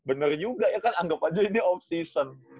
benar juga ya kan anggap aja ini off season